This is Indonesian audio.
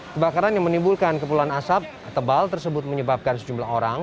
kebakaran yang menimbulkan kepulan asap tebal tersebut menyebabkan sejumlah orang